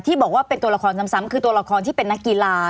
บอกว่าเป็นตัวละครซ้ำคือตัวละครที่เป็นนักกีฬา